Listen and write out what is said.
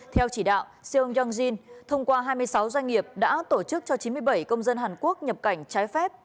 theo chỉ đạo seong yong jin thông qua hai mươi sáu doanh nghiệp đã tổ chức cho chín mươi bảy công dân hàn quốc nhập cảnh trái phép